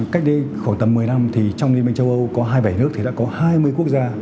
cách đây khoảng tầm một mươi năm thì trong liên minh châu âu có hai mươi bảy nước thì đã có hai mươi quốc gia